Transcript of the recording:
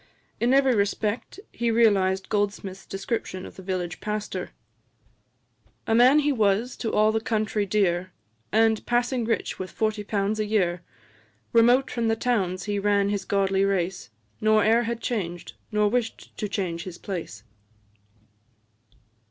In every respect he realised Goldsmith's description of the village pastor: "A man he was to all the country dear, And passing rich with forty pounds a year; Remote from towns he ran his godly race, Nor e'er had changed, nor wish'd to change his place."